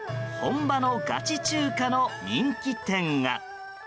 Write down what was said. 本場のガチ中華の人気店が。